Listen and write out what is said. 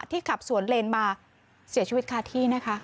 ที่ขับสวนเลนมาเสียชีวิตคาที่